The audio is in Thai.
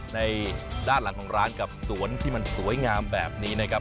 ในด้านหลังของร้านกับสวนที่มันสวยงามแบบนี้นะครับ